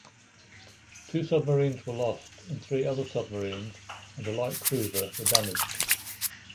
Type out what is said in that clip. Two submarines were lost and three other submarines and a light cruiser were damaged.